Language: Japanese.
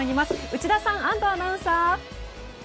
内田さん、安藤アナウンサー。